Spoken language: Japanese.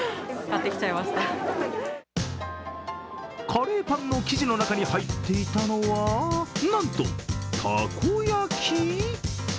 カレーパンの生地の中に入っていたのは、なんとたこ焼き？